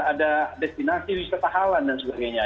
ada destinasi wisata halal dan sebagainya ya